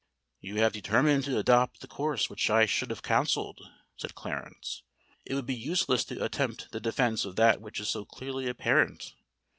"You have determined to adopt the course which I should have counselled," said Clarence. "It would be useless to attempt the defence of that which is so clearly apparent.